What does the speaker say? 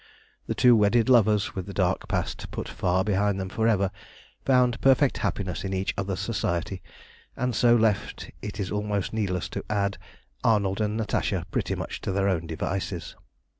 The two wedded lovers, with the dark past put far behind them for ever, found perfect happiness in each other's society, and so left, it is almost needless to add, Arnold and Natasha pretty much to their own devices.